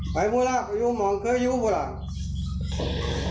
ไปแล้วมองเค้าอยู่บ้าง